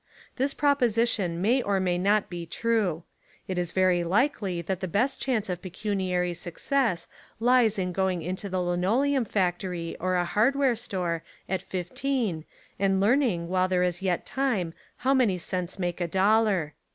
This proposition may or may not be true. It is very likely that the best chance of pecuniary success lies in going into a linoleum factory or a hardware store at fifteen and learning while there is yet time how many cents make a dollar.